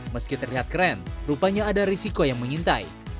meski terlihat keren rupanya ada risiko yang mengintai